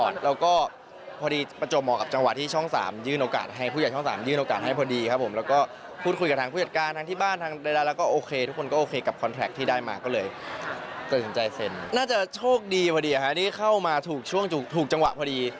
น่าจะโชคดีพอดีที่เข้ามาถูกจังหวะพอดี